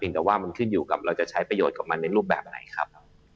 แต่ว่ามันขึ้นอยู่กับเราจะใช้ประโยชน์กับมันในรูปแบบไหนครับ